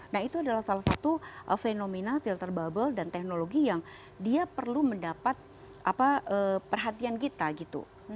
nah itu adalah salah satu fenomena filter bubble dan teknologi yang dia perlu mendapat perhatian kita gitu